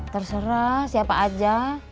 terserah siapa aja